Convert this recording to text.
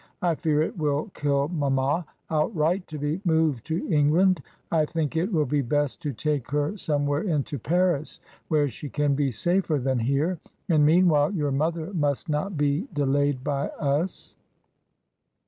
"I fear it will kill mamma outright to be moved to England, I think it will be best to take her somewhere into Paris, where she can be safer than here; and meanwhile your mother must not be delayed by us."